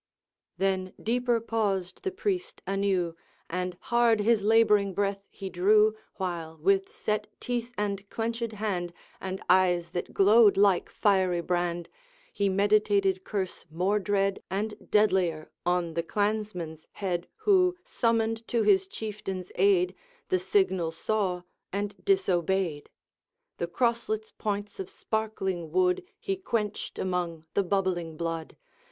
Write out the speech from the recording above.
Then deeper paused the priest anew, And hard his laboring breath he drew, While, with set teeth and clenched hand, And eyes that glowed like fiery brand, He meditated curse more dread, And deadlier, on the clansman's head Who, summoned to his chieftain's aid, The signal saw and disobeyed. The crosslet's points of sparkling wood He quenched among the bubbling blood.